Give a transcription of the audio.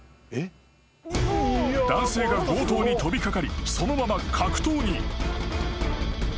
［男性が強盗に飛び掛かりそのまま格闘に］